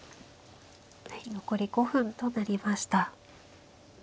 はい残り５分となりました。